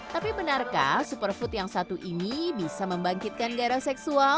tapi benarkah superfood yang satu ini bisa membangkitkan gairah seksual